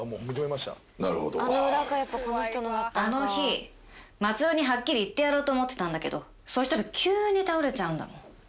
なるほどあの日松尾にはっきり言ってやろうと思ってたんだけどそしたら急に倒れちゃうんだもん